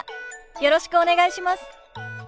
よろしくお願いします。